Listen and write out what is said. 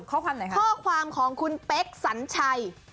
ข้อความของคุณเป๊กสัญชัย